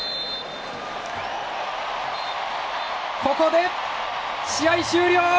ここで、試合終了！